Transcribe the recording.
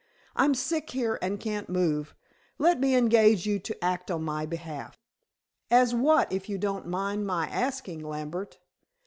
"I'm sick here and can't move. Let me engage you to act on my behalf." "As what, if you don't mind my asking, Lambert?"